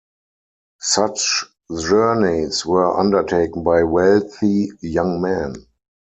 Such journeys were undertaken by wealthy young men.